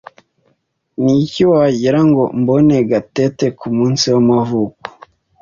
Niki wagira ngo mbone Gatete kumunsi w'amavuko?